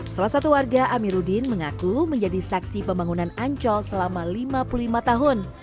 salah satu warga amiruddin mengaku menjadi saksi pembangunan ancol selama lima puluh lima tahun